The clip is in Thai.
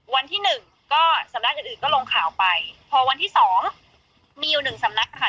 วันที่หนึ่งก็สำนักอื่นอื่นก็ลงข่าวไปพอวันที่สองมีอยู่หนึ่งสำนักค่ะ